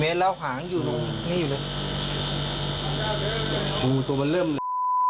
๔เมชรแล้วหางอยู่ตรงนี้แหวะ